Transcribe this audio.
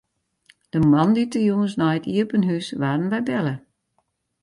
De moandeitejûns nei it iepen hús waarden wy belle.